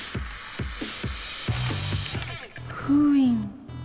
封印？